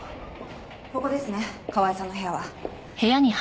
ここですね川井さんの部屋は。